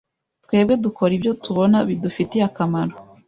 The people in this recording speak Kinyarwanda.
Twebwe dukora ibyo tubona bidufitiye akamaro,